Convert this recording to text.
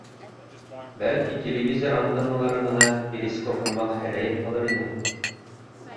Бәлки, телевизор антенналары ғына перископ һымаҡ һерәйеп ҡалыр ине.